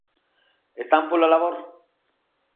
¿Están polo labor?